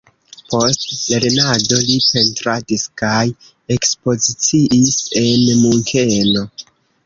Post lernado li pentradis kaj ekspoziciis en Munkeno.